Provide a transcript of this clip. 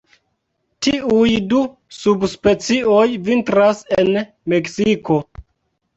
Tiuj du subspecioj vintras en Meksiko.